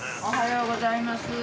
おはようございます。